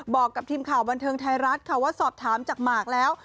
บอกกับทีมข่าวบันเทิงไทยรัฐค่ะว่าสอบถามจากหมากแล้ว